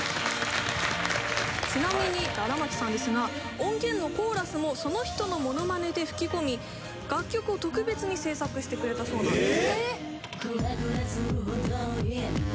ちなみに荒牧さんですが音源のコーラスもその人のものまねで吹き込み楽曲を特別に制作してくれたそうなんです